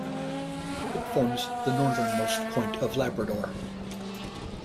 It forms the northernmost point of Labrador.